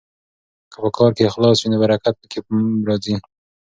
که په کار کې اخلاص وي نو برکت پکې راځي.